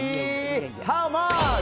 ハウマッチ。